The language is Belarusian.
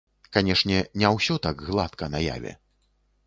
Канешне, не ўсё так гладка наяве.